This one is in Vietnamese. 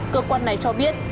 cơ quan này cho biết